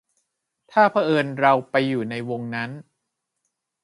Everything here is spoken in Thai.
ถ้าเผอิญเราไปอยู่ในวงนั้น